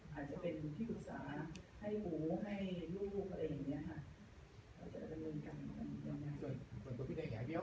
หรือเป็นพี่วิศสาวให้หูให้ลูกคุณหลังจากนี้เราจะเรียกว่ากันกว่าสถานี